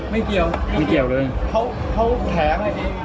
ไม่เกี่ยวเลยเขาแถม